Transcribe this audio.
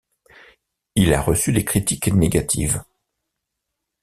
Il a reçu des critiques négatives.